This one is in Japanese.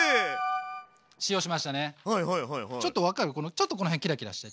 ちょっとこの辺キラキラして。